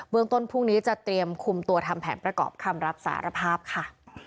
เมืองต้นพรุ่งนี้จะเตรียมคุมตัวทำแผนประกอบคำรับสารภาพค่ะ